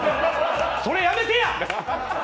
それ、やめてや！